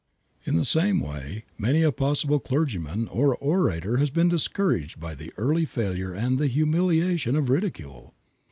In the same way many a possible clergyman or orator has been discouraged by early failure and the humiliation of ridicule.